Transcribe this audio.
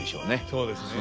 そうですね。